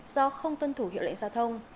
do không tuân thủ hiệu lệnh giao thông